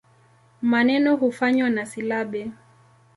Maneno kufanywa na silabi.